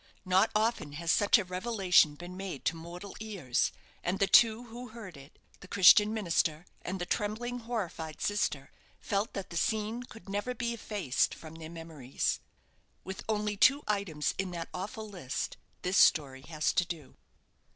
Not often has such a revelation been made to mortal ears, and the two who heard it the Christian minister and the trembling, horrified sister felt that the scene could never be effaced from their memories. With only two items in that awful list this story has to do.